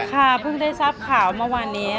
ค่ะเพิ่งได้ทราบข่าวมาวันเนี้ยค่ะ